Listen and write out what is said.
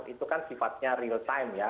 itu kan sifatnya real time ya